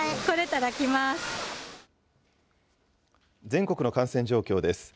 全国の感染状況です。